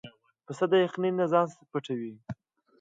پسه د یخنۍ نه ځان پټوي.